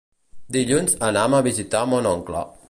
Dilluns anam a visitar mon oncle.